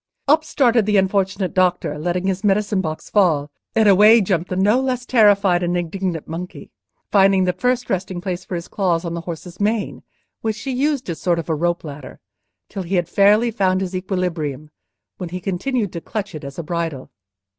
Up started the unfortunate doctor, letting his medicine box fall, and away jumped the no less terrified and indignant monkey, finding the first resting place for his claws on the horse's mane, which he used as a sort of rope ladder till he had fairly found his equilibrium, when he continued to clutch it as a bridle.